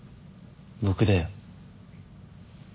僕だよ。